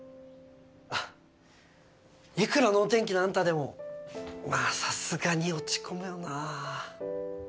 いくら能天気なあんたでもまあさすがに落ち込むよな。